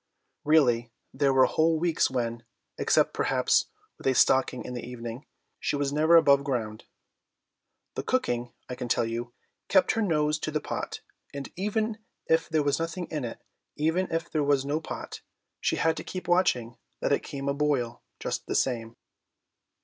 Really there were whole weeks when, except perhaps with a stocking in the evening, she was never above ground. The cooking, I can tell you, kept her nose to the pot, and even if there was nothing in it, even if there was no pot, she had to keep watching that it came aboil just the same.